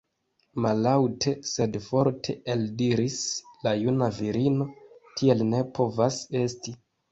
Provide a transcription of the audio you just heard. Mallaŭte sed forte eldiris la juna virino: tiel ne povas esti!